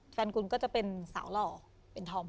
แฟนคุณก็จะเป็นสาวหล่อเป็นธอม